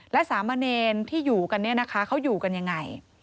และสามเนรที่อยู่กันเขาอยู่กันยังไง